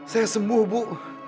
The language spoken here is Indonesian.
saya sembuh bu